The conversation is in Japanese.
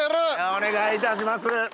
お願いいたします。